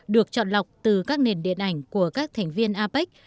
được chọn lọc từ các nền điện ảnh của các thành viên apec